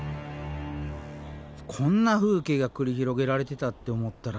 こんな風景が繰り広げられてたって思ったらロマンがありますね